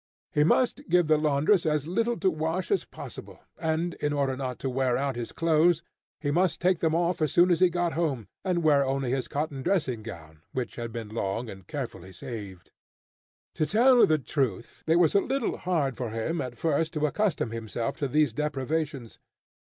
He must give the laundress as little to wash as possible; and, in order not to wear out his clothes, he must take them off as soon as he got home, and wear only his cotton dressing gown, which had been long and carefully saved. To tell the truth, it was a little hard for him at first to accustom himself to these deprivations.